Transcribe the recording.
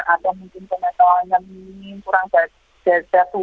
atau mungkin penonton yang kurang berjaya